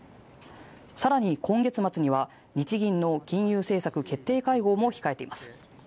さらに今月末には日銀の金融政策決定会合も控えています。